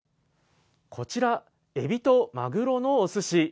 こちら、えびとまぐろのおすし。